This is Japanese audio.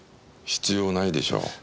必要ないでしょう。